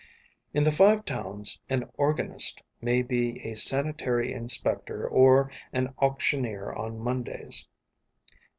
In the Five Towns an organist may be a sanitary inspector or an auctioneer on Mondays.